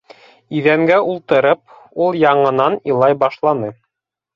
Иҙәнгә ултырып, ул яңынан илай башланы.